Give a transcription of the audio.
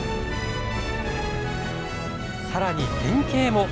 さらに変形も。